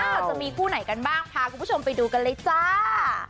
เราจะมีคู่ไหนกันบ้างพาคุณผู้ชมไปดูกันเลยจ้า